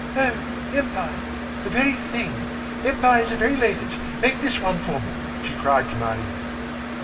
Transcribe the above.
"Oh, Empire! The very thing. Empire is the very latest. Make this one for me," she cried commandingly.